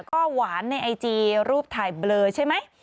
ก็หวานในไอจีรูปถ่ายเบลอใช่ไหม